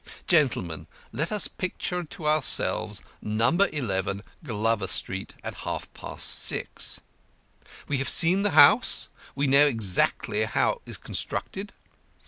Gentlemen, let us picture to ourselves No. 11 Glover Street, at half past six. We have seen the house; we know exactly how it is constructed.